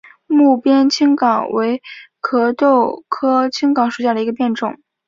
睦边青冈为壳斗科青冈属下的一个变种。